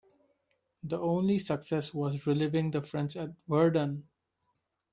The only success was relieving the French at Verdun.